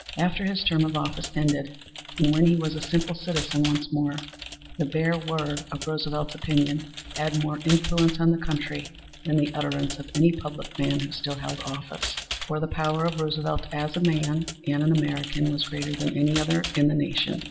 After his term of office ended and when he was a simple citizen once more, the bare word of Roosevelt's opinion had more influence on the country than the utterance of any public man who still held office. For the power of Roosevelt as a man and an American was greater than any other in the nation.